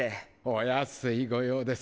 お安い御用です。